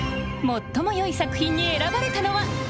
最もよい作品に選ばれたのは。